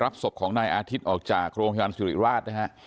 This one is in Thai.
รับศพของอาทิตย์ออกจากโรงละงัยสุริราช